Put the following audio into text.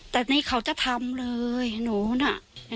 แต่นี่เขาจะทำเลยหนูน่ะ